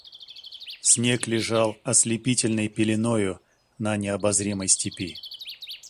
Снег лежал ослепительной пеленою на необозримой степи.